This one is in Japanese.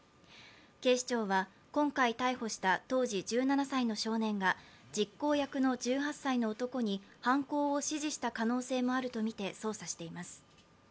警視庁は今回、逮捕した当時１７歳の少年が実行役の１８歳の男に犯行を指示した可能性もあるとみて捜査しています。